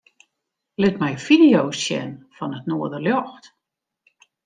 Lit my fideo's sjen fan it noarderljocht.